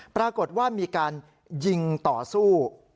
ปรากฏว่ามีการยิงต่อสู้